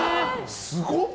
すごっ！